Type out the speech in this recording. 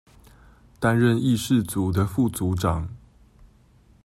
擔任議事組的副組長